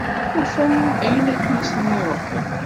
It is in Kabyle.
Ufan ayen akken i asen-iruḥen?